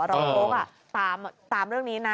รองโจ๊กตามเรื่องนี้นะ